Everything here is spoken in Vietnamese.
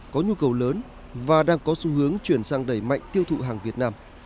có nhu cầu lớn và đang có xu hướng chuyển sang đẩy mạnh tiêu thụ hàng việt nam